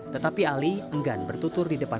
tetapi ali enggan bertutur di depan